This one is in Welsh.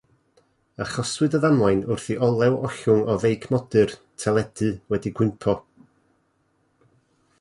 Achoswyd y ddamwain wrth i olew ollwng o feic modur teledu wedi cwympo.